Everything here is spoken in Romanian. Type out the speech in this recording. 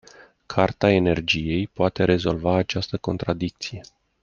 Carta energiei poate rezolva această contradicție.